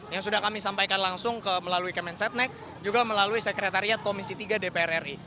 yang sudah kami sampaikan langsung melalui kemen setnek juga melalui sekretariat komisi tiga dpr ri